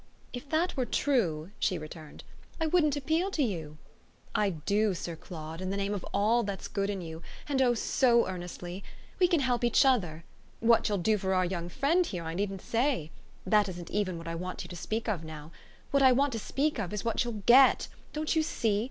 "If that were true," she returned, "I wouldn't appeal to you. I do, Sir Claude, in the name of all that's good in you and oh so earnestly! We can help each other. What you'll do for our young friend here I needn't say. That isn't even what I want to speak of now. What I want to speak of is what you'll GET don't you see?